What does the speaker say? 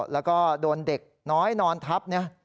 แล้วก็โดนเด็กน้อยนอนทับ